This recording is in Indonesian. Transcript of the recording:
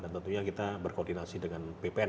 dan tentunya kita berkoordinasi dengan bpn